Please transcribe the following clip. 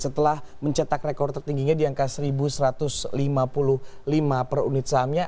setelah mencetak rekor tertingginya di angka satu satu ratus lima puluh lima per unit sahamnya